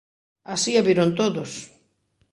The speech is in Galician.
Así a viron todos.